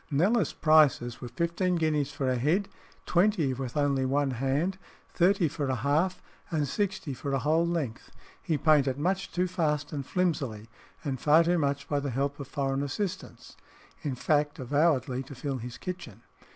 Kneller's prices were fifteen guineas for a head, twenty if with only one hand, thirty for a half, and sixty for a whole length. He painted much too fast and flimsily, and far too much by the help of foreign assistants in fact, avowedly to fill his kitchen.